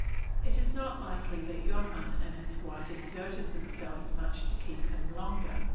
It is not likely that Johann or his wife exerted themselves much to keep him longer.